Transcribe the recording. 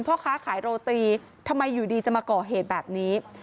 พ่อค้าขายโรตีทำไมอยู่ดีจะมาก่อเหตุแบบนี้